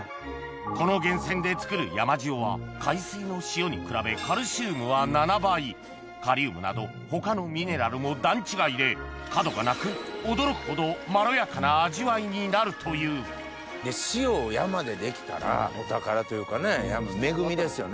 この源泉で作る山塩は海水の塩に比べカルシウムは７倍カリウムなど他のミネラルも段違いでになるという塩を山でできたらお宝というかね恵みですよね。